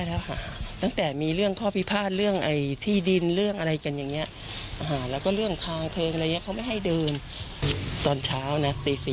แล้วพอ๘โมงออกอีกครั้งหนึ่ง๙โมกรนันทีเลยก็เป็นที่เอิมละอ่า